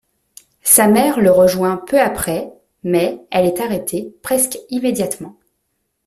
Sa mère le rejoint peu après, mais elle est arrêtée presque immédiatement.